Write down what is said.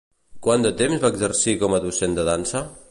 Quants de temps va exercir com a docent de dansa?